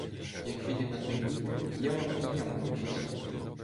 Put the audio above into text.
Як підем на той бік, я вам і яму покажу.